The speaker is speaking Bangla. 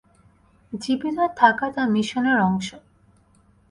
জীবিত থাকাটা মিশনের অংশ।